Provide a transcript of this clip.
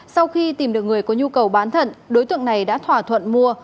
sau khi tìm được người có nhu cầu bán thận đối tượng này đã thỏa thuận mua